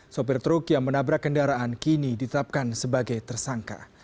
sopir truk yang menabrak kendaraan kini ditetapkan sebagai tersangka